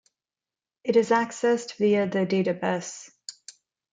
It is accessed via the data bus.